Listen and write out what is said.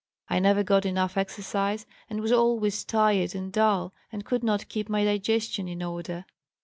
I never got enough exercise, and was always tired and dull, and could not keep my digestion in order.